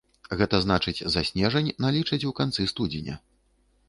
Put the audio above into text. Гэта значыць, за снежань налічаць у канцы студзеня.